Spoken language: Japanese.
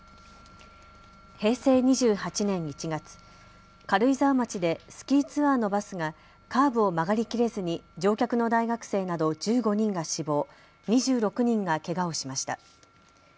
平成２８年１月、軽井沢町でスキーツアーのバスがカーブを曲がりきれずに乗客の大学生など１５人が死亡、２６人がけがをしました。